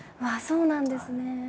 そうなんですね。